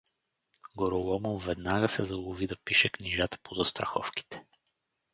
Гороломов веднага се залови да пише книжата по застраховките.